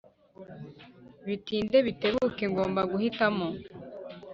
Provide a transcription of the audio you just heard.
bitinde bitebuke ngomba guhitamo